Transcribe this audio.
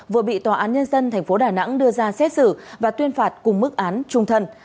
vừa bị tòa án nhân dân tp đà nẵng đưa ra xét xử và tuyên phạt cùng mức án trung thân